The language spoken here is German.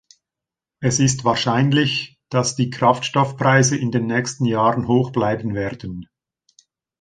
Es ist wahrscheinlich, dass die Kraftstoffpreise in den nächsten Jahren hoch bleiben werden.